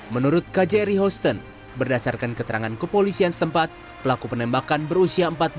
menurut kjri houston berdasarkan keterangan kepolisian setempat pelaku penembakan berusia